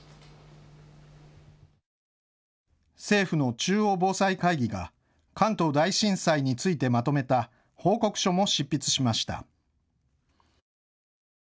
政府の中央防災会議が関東大震災についてまとめた報告書も執筆しました。